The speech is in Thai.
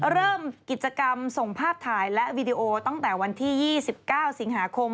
เริ่มกิจกรรมส่งภาพถ่ายและวีดีโอตั้งแต่วันที่๒๙สิงหาคม